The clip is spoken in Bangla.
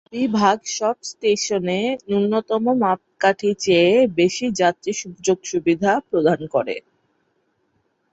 বিভাগ সব স্টেশনে ন্যূনতম মাপকাঠি চেয়ে বেশি যাত্রী সুযোগ-সুবিধা প্রদান করে।